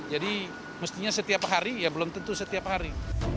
jadi mestinya setiap hari ya belum tentu setiap hari